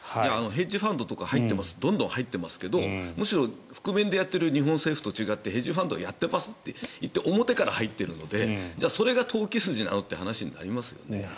ヘッジファンドとかどんどん入っていますけどむしろ覆面でやっている日本政府と違ってヘッジファンドはやっていますといって表から入っているのでそれが投機筋なの？って話になりますよね。